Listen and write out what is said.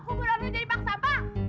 lo mau kuburannya jadi pang sampah